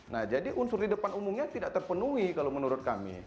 nah jadi unsur di depan umumnya tidak terpenuhi kalau menurut kami